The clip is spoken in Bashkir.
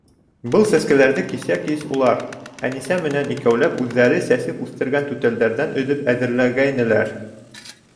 Был сәскәләрҙе кисә кис улар, Әнисә менән икәүләп, үҙҙәре сәсеп үҫтергән түтәлдәрҙән өҙөп әҙерләгәйнеләр.